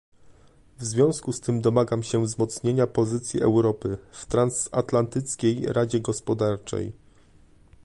W związku z tym domagam się wzmocnienia pozycji Europy w Transatlantyckiej Radzie Gospodarczej